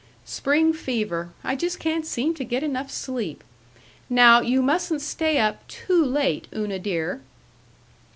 Spring fever. I just can't seem to get enough sleep.... Now you mustn't stay up too late, Una dear."